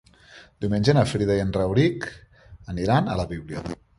Diumenge na Frida i en Rauric aniran a la biblioteca.